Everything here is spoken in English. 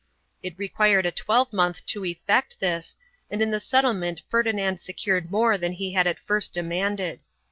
It required a twelvemonth to effect this and in the settlement Ferdinand secured more than he had at first demanded.